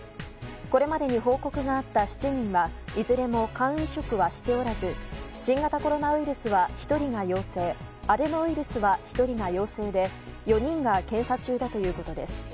これまでに報告があった７人はいずれも肝移植はしておらず新型コロナウイルスは１人が陽性アデノウイルスは１人が陽性で４人が検査中だということです。